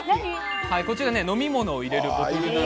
こちらは飲み物を入れるボトル。